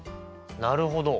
なるほど！